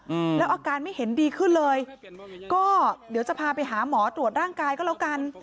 อืมแล้วอาการไม่เห็นดีขึ้นเลยก็เดี๋ยวจะพาไปหาหมอตรวจร่างกายก็แล้วกัน